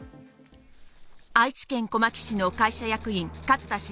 愛知県小牧市の会社役員・勝田茂